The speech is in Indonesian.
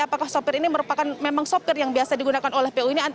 apakah sopir ini merupakan memang sopir yang biasa digunakan oleh pu ini